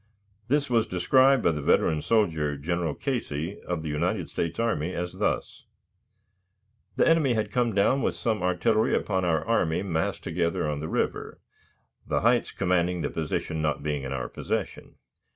This was described by the veteran soldier, General Casey, of the United States Army, thus: "The enemy had come down with some artillery upon our army massed together on the river, the heights commanding the position not being in our possession.